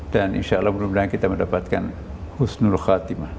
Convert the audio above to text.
dan insyaallah mudah mudahan kita mendapatkan husnul khatimah